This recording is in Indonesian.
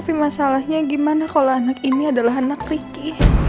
tapi masalahnya gimana kalau anak ini adalah anak ricky